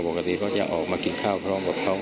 ปกติเขาจะออกมากินข้าวพร้อมกับเขา